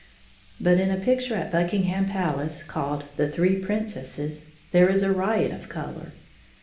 But in a picture at Buckingham Palace called "The Three Princesses" there is a riot of color.